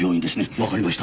わかりました。